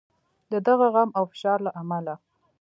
د دغه غم او فشار له امله.